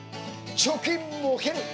貯金も減る。